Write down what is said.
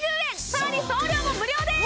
さらに送料も無料です！